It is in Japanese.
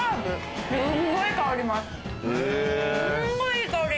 すんごいいい香り。